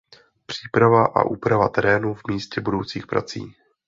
Příprava a úprava terénu v místě budoucích prací.